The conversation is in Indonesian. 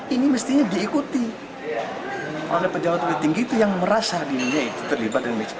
ini mestinya diikuti oleh pejabat pejabat tinggi itu yang merasa dirinya terlibat dengan misi